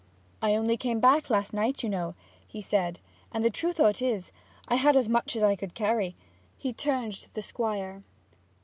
'I only came back last night, you know,' he said; 'and the truth o't is, I had as much as I could carry.' He turned to the Squire.